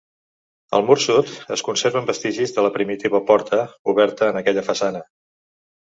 Al mur sud es conserven vestigis de la primitiva porta, oberta en aquella façana.